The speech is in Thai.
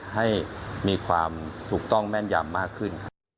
ให้มีความถูกต้องแม่นยำมากขึ้น